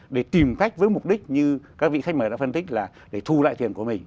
để tìm khách với mục đích như các vị khách mời đã phân tích là để thu lại tiền của mình